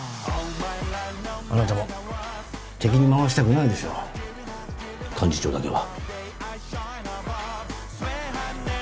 あなたも敵に回したくないでしょ幹事長だけは。